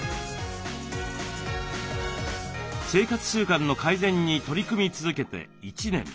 生活習慣の改善に取り組み続けて１年。